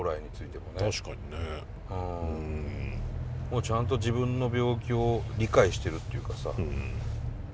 ちゃんと自分の病気を理解してるっていうかさ。